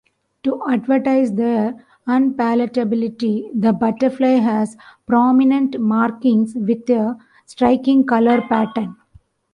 To advertise their unpalatability, the butterfly has prominent markings with a striking colour pattern.